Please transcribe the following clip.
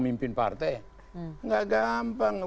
mimpin partai nggak gampang